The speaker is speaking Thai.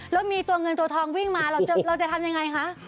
แล้วมีตัวเงินตัวทองวิ่งมาเราจะทำยังไงคะ